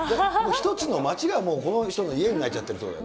一つの街がもう、この人の家になっちゃってるんだね。